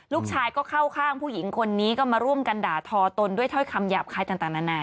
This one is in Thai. ลูกชายก็เข้าข้างผู้หญิงคนนี้ก็มาร่วมกันด่าทอตนด้วยถ้อยคำหยาบคลายต่างนานา